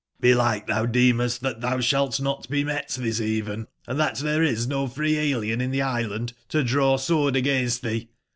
Belike tbou deemest tbat tbou sbalt not be met tbis even, «53 and that there is no free alien in the island to draw sword against tbee.